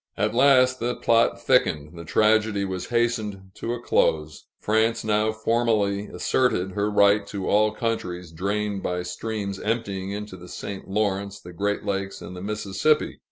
At last, the plot thickened; the tragedy was hastened to a close. France now formally asserted her right to all countries drained by streams emptying into the St. Lawrence, the Great Lakes, and the Mississippi.